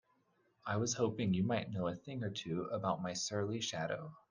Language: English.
I was hoping you might know a thing or two about my surly shadow?